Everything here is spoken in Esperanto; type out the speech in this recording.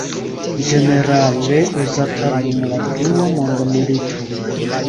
Ĝenerale uzata dum la dua mondmilito.